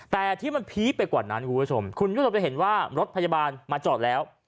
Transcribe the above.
แต่ที่มันพีคไปกว่านั้นคุณผู้ชมคุณผู้ชมจะเห็นว่ารถพยาบาลมาจอดแล้ว